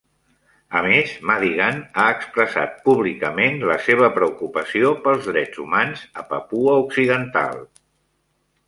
A més, Madigan ha expressat públicament la seva preocupació pels drets humans a Papua Occidental.